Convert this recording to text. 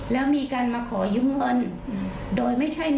แล้วมีการมาขอยืมเงินโดยไม่ใช่นิสัยพี่นาเลย